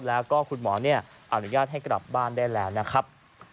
แล้วก็คุณหมออนุญาตให้กลับบ้านได้แล้วนะครับ